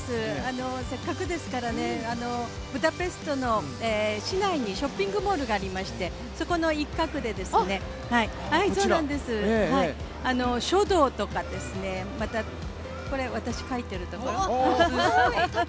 せっかくですから、ブダペストの市内にショッピングモールがありまして、そこの一角で、書道とかこれ、私書いてるところ。